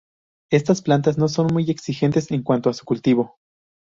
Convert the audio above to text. Estas plantas no son muy exigentes en cuanto a su cultivo.